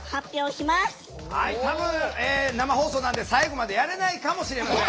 多分生放送なので最後までやれないかもしれません。